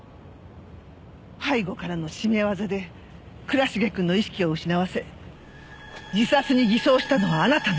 背後からの絞め技で倉重くんの意識を失わせ自殺に偽装したのはあなたね？